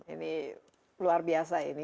ini luar biasa ini